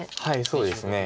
そうですね。